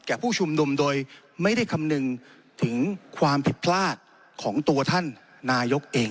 ผู้ชุมนุมโดยไม่ได้คำนึงถึงความผิดพลาดของตัวท่านนายกเอง